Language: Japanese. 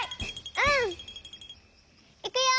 うん！いくよ！